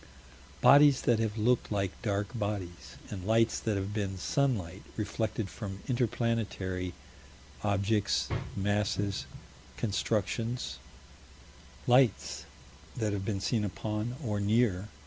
Bodies that have looked like dark bodies, and lights that may have been sunlight reflected from inter planetary objects, masses, constructions Lights that have been seen upon or near?